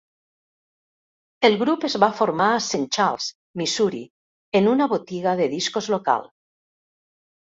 El grup es va formar a Saint Charles, Missouri, en una botiga de discos local.